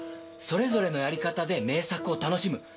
それぞれのやり方で名作を楽しむ。